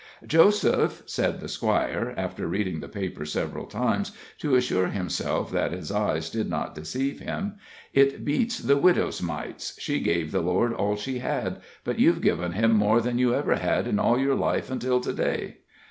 "Joseph," said the Squire, after reading the paper several times, to assure himself that his eyes did not deceive him, "it beats the widow's mites; she gave the Lord all she had, but you've given Him more than you ever had in all your life until to day."